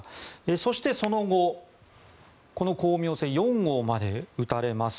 そしてその後、この「光明星４号」まで打たれます。